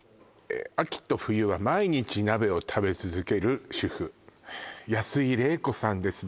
秋と冬は毎日鍋を食べ続ける主婦安井レイコさんです